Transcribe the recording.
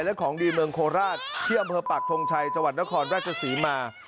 และของดีเมืองโคราชที่อำเภอปากทงชัยจังหวัดนครราชศรีมา